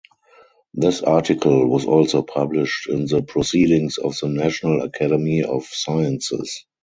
This article was also published in the Proceedings of the National Academy of Sciences.